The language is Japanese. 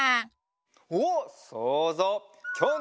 おっそうぞう！